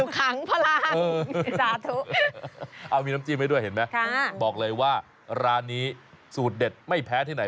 ขังพลังสาธุเอามีน้ำจิ้มให้ด้วยเห็นไหมบอกเลยว่าร้านนี้สูตรเด็ดไม่แพ้ที่ไหน